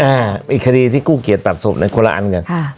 อ่าอีกคดีที่กู้เกียจตัดศพในคนละอันกัน